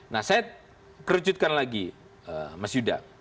nah saya kerucutkan lagi mas yuda